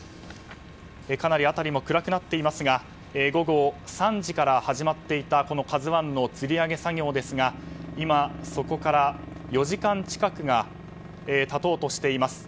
かなり辺りも暗くなっていますが午後３時から始まっていた「ＫＡＺＵ１」のつり上げ作業ですが今、そこから４時間近くが経とうとしています。